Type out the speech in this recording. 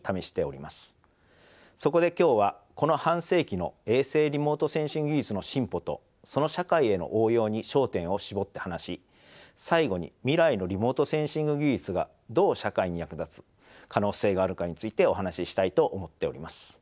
そこで今日はこの半世紀の衛星リモートセンシング技術の進歩とその社会への応用に焦点を絞って話し最後に未来のリモートセンシング技術がどう社会に役立つ可能性があるかについてお話ししたいと思っております。